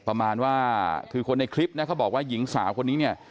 ประมาณว่าคือคนในคลิปนะเขาบอกว่าหญิงสาวคนนี้เนี่ย